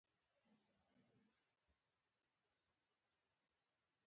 هغوی یو بل ته د ژوند تجربې وښودلې.